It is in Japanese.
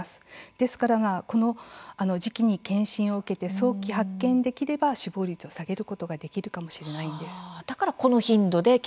ですからこの時期に検診を受けて早期発見できれば死亡率を下げることができるかもしれないんです。